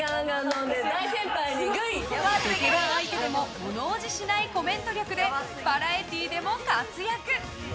ベテラン相手でも物怖じしないコメント力でバラエティーでも活躍！